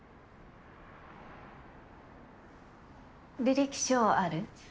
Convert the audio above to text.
履歴書ある？